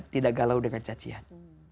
tidak galau dengan cacian